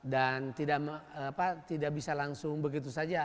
dan tidak bisa langsung begitu saja